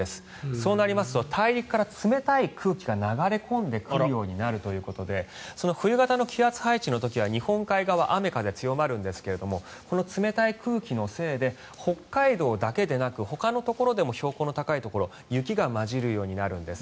そうなりますと大陸から冷たい空気が流れ込んでくるようになるということでその冬型の気圧配置の時は日本海側、雨風強まるんですけどこの冷たい空気のせいで北海道だけでなくほかのところでも標高の高いところ雪が交じるようになるんです。